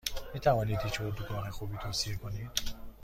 میتوانید هیچ اردوگاه خوبی توصیه کنید؟